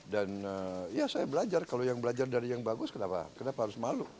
ya saya belajar kalau yang belajar dari yang bagus kenapa harus malu